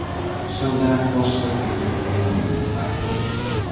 So that was the bitter ending, I thought.